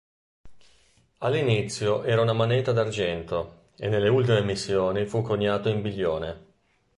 All'inizio era una moneta d'argento e nelle ultime emissioni fu coniato in biglione.